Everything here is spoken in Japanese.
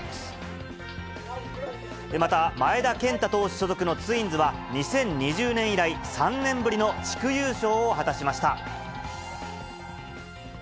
また、前田健太投手所属のツインズは、２０２０年以来３年ぶりの地区優勝を果たしました。